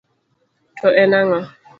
To en ang'o?